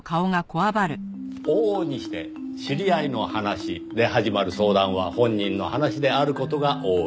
往々にして「知り合いの話」で始まる相談は本人の話である事が多い。